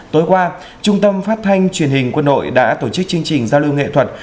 tối qua trung tâm phát thanh truyền hình quân đội đã tổ chức chương trình giao lưu nghệ thuật